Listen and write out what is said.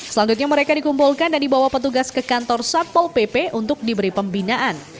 selanjutnya mereka dikumpulkan dan dibawa petugas ke kantor satpol pp untuk diberi pembinaan